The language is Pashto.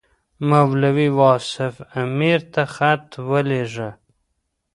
مولوي واصف امیر ته خط ولېږه.